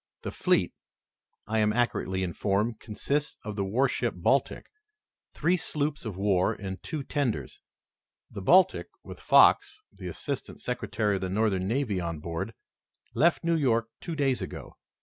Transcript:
The fleet, I am accurately informed, consists of the warship Baltic, three sloops of war and two tenders. The Baltic, with Fox, the assistant secretary of the Northern Navy, on board, left New York two days ago.